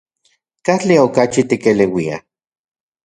¿Katli okachi tikeleuia?